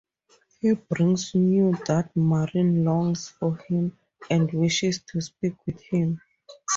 He brings news that Marina longs for him and wishes to speak with him.